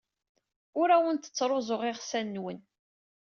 Ur awent-ttruẓuɣ iɣsan-nwen.